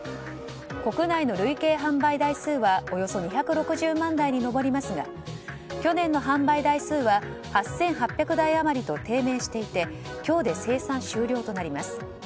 国内の累計販売台数はおよそ２６０万台に上りますが、去年の販売台数は８８００台余りと低迷していて今日で生産終了となります。